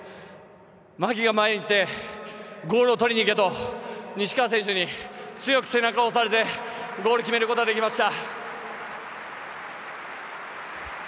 マキが前に行ってゴールを取りにいけと西川選手に強く背中を押されてゴールを決めることができました。